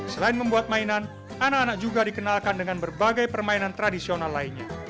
selain membuat mainan anak anak juga dikenalkan dengan berbagai permainan tradisional lainnya